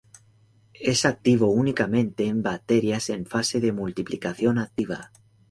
Es activo únicamente en bacterias en fase de multiplicación activa.